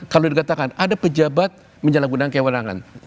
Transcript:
kalau dikatakan ada pejabat menjalankan undang undang